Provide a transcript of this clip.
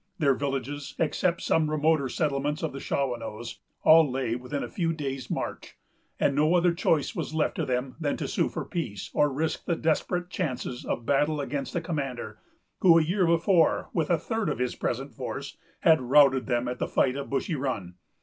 Their villages, except some remoter settlements of the Shawanoes, all lay within a few days' march; and no other choice was left them than to sue for peace, or risk the desperate chances of battle against a commander who, a year before, with a third of his present force, had routed them at the fight of Bushy Run.